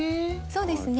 そうですね